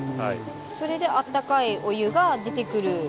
それであったかいお湯が出てくる。